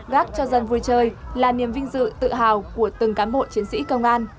gác cho dân vui chơi là niềm vinh dự tự hào của từng cán bộ chiến sĩ công an